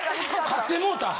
勝ってもうた。